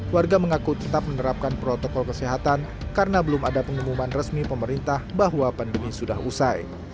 warga mengaku tetap menerapkan protokol kesehatan karena belum ada pengumuman resmi pemerintah bahwa pandemi sudah usai